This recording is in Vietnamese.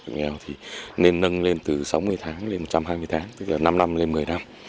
hộ nghèo thì nên nâng lên từ sáu mươi tháng lên một trăm hai mươi tháng tức là năm năm lên một mươi năm